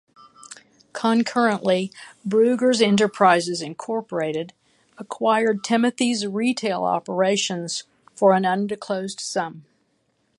Concurrently, Bruegger's Enterprises, Incorporated acquired Timothy's retail operations for an undisclosed sum.